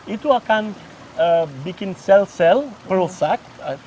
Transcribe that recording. itu akan bikin sel sel perusak